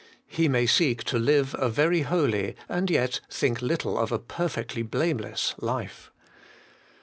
He may seek to live a very holy, and yet think little of a perfectly blameless life.